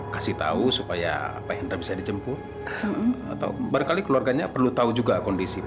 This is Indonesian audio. kasih tahu supaya pengen terbisa dijemput atau berkali keluarganya perlu tahu juga kondisi